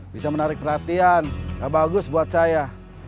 bisa menarik perhatian gak bagus buat saya